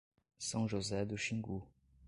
São José do Xingu